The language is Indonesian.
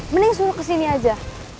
mending suruh kesini aja